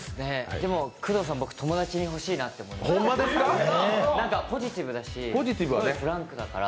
工藤さん、僕、友達に欲しいなって思いました。